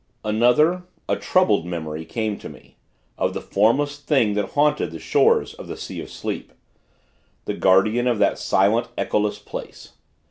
Another, a troubled, memory came to me of the Formless Thing that had haunted the shores of the Sea of Sleep. The guardian of that silent, echoless place.